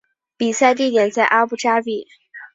比赛地点在阿布扎比。